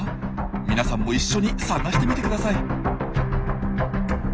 皆さんも一緒に探してみてください。